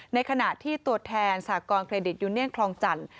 ในขณะที่ตัวแทนสากรเครดิตยูเนียนคลองจันทร์